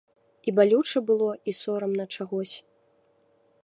І балюча было, і сорамна чагось.